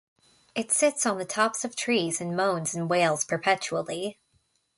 It sits on the tops of trees and moans and wails perpetually.